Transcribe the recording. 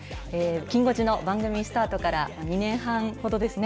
きん５時の番組スタートから２年半ほどですね